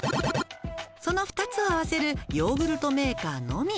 「その２つを合わせるヨーグルトメーカーのみ」